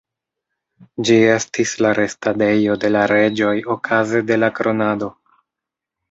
Ĝi estis la restadejo de la reĝoj okaze de la kronado.